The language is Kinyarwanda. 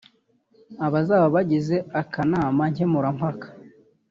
Abazaba bagize akanama nkemurampaka